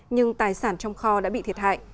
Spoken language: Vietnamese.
nhưng tài sản trong kho đã bị thiệt hại